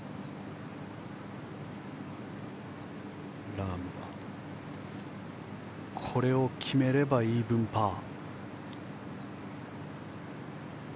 ラームは、これを決めればイーブンパー。